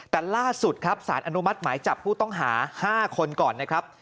แต่ล่าสุดครับสารอนุมัติหมายจับผู้ต้องหา๕คนก่อนนะครับ